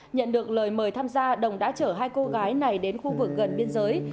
nhận được lời mời tham gia đồng đã chở hai cô gái này đến khu vực gần biên giới